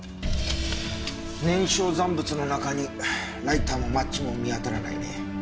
燃焼残物の中にライターもマッチも見当たらないね。